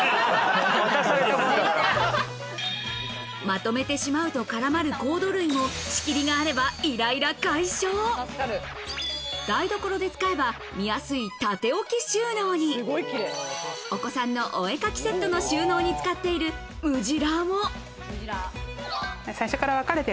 まとめてしまうと絡まるコード類も台所で使えば見やすい縦置き収納にお子さんのお絵描きセットの収納に使っているムジラーも最初から。